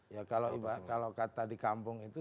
ya kalau kata di kampung itu